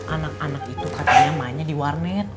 anak anak itu katanya mainnya di warnet